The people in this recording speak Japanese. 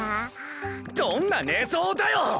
どんな寝相だよ！